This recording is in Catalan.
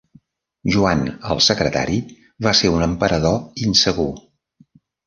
Joan el Secretari va ser un emperador insegur.